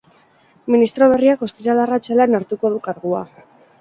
Ministro berriak ostiral arratsaldean hartuko du kargua.